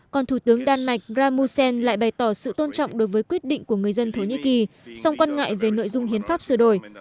còn thủ tướng đan mạch ra mussel lại bày tỏ sự tôn trọng đối với quyết định của người dân thổ nhĩ kỳ song quan ngại về nội dung hiến pháp sửa đổi